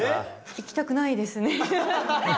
行きたくないですね。